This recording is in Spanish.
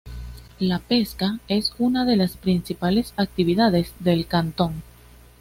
La pesca es una de las principales actividades del cantón.